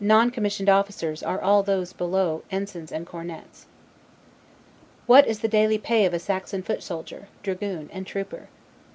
B. Noncommissioned officers are all those below ensigns and cornets. What is the daily pay of a Saxon foot soldier, dragoon, and trooper?